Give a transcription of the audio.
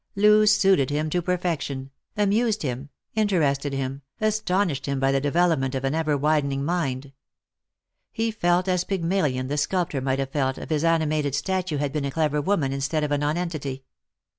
Loo suited him to perfection, amused him, interested him, astonished him by the c'evelopment of an ever widening mind. He felt as Pygmalion the sculptor might have felt if his animated statue had been a clever woman instead of a nonentity.